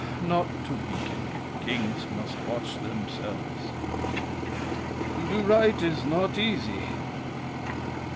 Ah, not to weaken, kings must watch themselves! To do right is not easy.